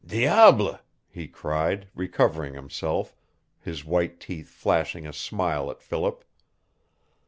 "Diable!" he cried, recovering himself, his white teeth flashing a smile at Philip.